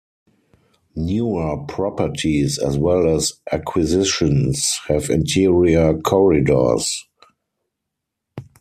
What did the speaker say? Newer properties, as well as acquisitions, have interior corridors.